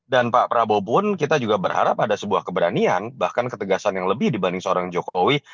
dan pak prabowo pun kita juga berharap ada sebuah keberanian bahkan ketegasan yang lebih dibandingkan dengan pak jokowi